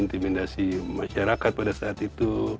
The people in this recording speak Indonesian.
intimidasi masyarakat pada saat itu